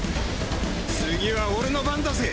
次は俺の番だぜ！！